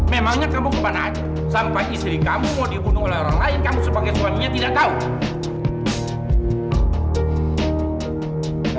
memangnya kamu kemana aja sampai istri kamu mau dibunuh oleh orang lain kamu sebagai suaminya tidak tahu